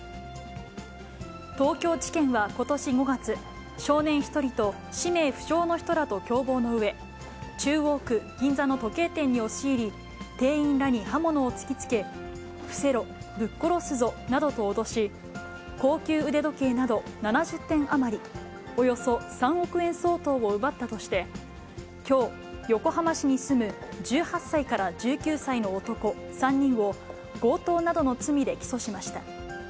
東京地検はことし５月、少年１人と氏名不詳の人らと共謀し、中央区銀座の時計店に押し入り、店員らに刃物を突きつけ、伏せろ、ぶっ殺すぞなどと脅し、高級腕時計など７０点余り、およそ３億円相当を奪ったとして、きょう、横浜市に住む１８歳から１９歳の男３人を、強盗などの罪で起訴しました。